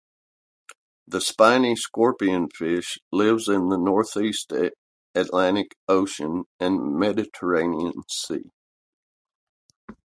The spiny scorpionfish lives in the northeast Atlantic Ocean and Mediterranean Sea.